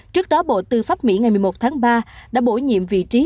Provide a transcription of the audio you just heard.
trước đó bộ tư pháp mỹ ngày một mươi một tháng ba đã bổ nhiệm vị trí